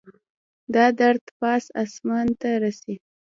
دا درد پاس اسمان ته رسي